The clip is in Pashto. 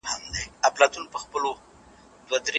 کومیټ د حرکت پر مهال روښانه ښکاری.